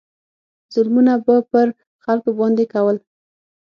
ظلمونه به پر خلکو باندې کول.